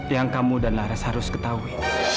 yang kamu dan laras harus ketahui